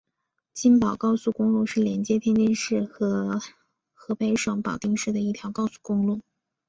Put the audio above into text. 津保高速公路是连接天津市和河北省保定市的一条高速公路。